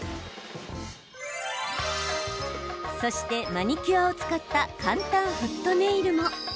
そして、マニキュアを使った簡単フットネイルも。